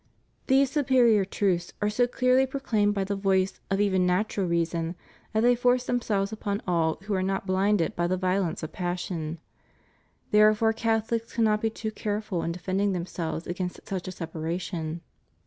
These superior truths are so clearly proclaimed by the voice of even natural reason, that they force themselves upon all who are not blinded by the violence of passion; therefore Catholics cannot be too careful in defending themselves against such a separation.